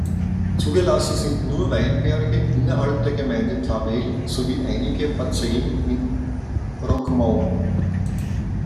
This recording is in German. Zugelassen sind nur Weinberge innerhalb der Gemeinde Tavel sowie einige Parzellen in Roquemaure.